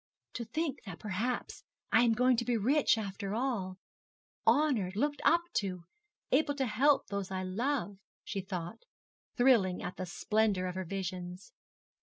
'To think that perhaps I am going to be rich after all honoured, looked up to, able to help those I love,' she thought, thrilling at the splendour of her visions.